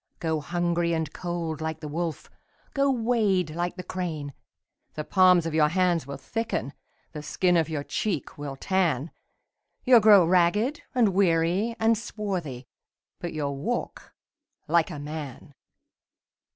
Go hungry and cold like the wolf. Go wade like the crane : The palms of your hand will thicken. The skin of your cheek will tan, You'll grow ragged and weary and swarthy. But you'll walk like a man